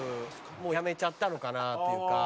もうやめちゃったのかなっていうか。